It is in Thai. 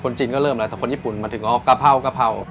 คนชีนก็เริ่มแล้วแต่คนญี่ปุ่นอ๋อกะเภากะเภา